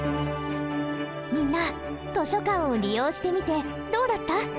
みんな図書館を利用してみてどうだった？